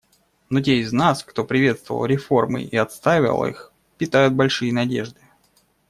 Но те из нас, кто приветствовал реформы и отстаивал их, питают большие надежды.